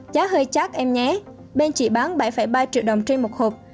giá hơi chắc em nhé bên chị bán bảy ba triệu đồng trên một hộp